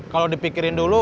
kalau dipikirin dulu